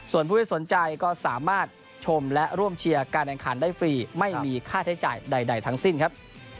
ส่วนผู้ที่สนใจก็สามารถชมและร่วมเชียร์การแข่งขันได้ฟรีไม่มีค่าใช้จ่ายใดทั้งสิ้นครับ